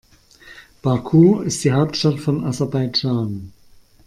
Baku ist die Hauptstadt von Aserbaidschan.